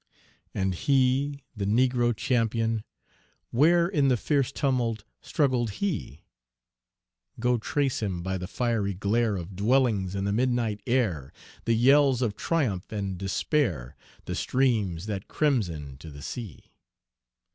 And he, the Negro champion where In the fierce tumult, struggled he? Go trace him by the fiery glare Of dwellings in the midnight air, The yells of triumph and despair, The streams that crimson to the sea!